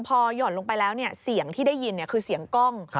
พอหย่อนลงไปแล้วเสียงที่ได้ยินคือเสียงกล้อง